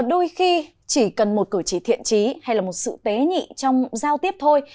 đôi khi chỉ cần một cử chỉ thiện trí hay là một sự tế nhị trong giao tiếp thôi